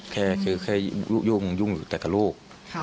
แค่ยุ่งอยู่แต่กับลูก